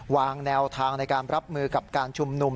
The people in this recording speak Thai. วางแนวทางในการรับมือกับการชุมนุม